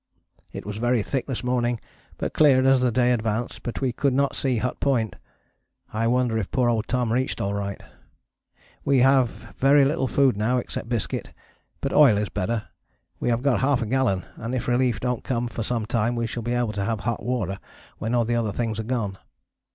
It was very thick this morning but cleared as the day advanced, but we could not see Hut Point. I wonder if poor old Tom reached alright. We have very little food now except biscuit, but oil is better. We have got ½ gallon and if relief dont come for some time we shall be able to have hot water when all other things are gone.